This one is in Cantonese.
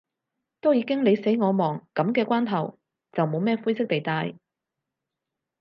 都已經你死我亡，噉嘅關頭，就冇咩灰色地帶